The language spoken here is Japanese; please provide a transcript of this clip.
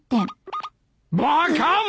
バカ者！